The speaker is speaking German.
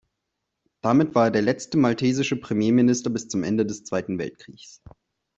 Damit war er der letzte maltesische Premierminister bis zum Ende des Zweiten Weltkrieges.